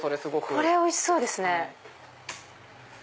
これおいしそうですね。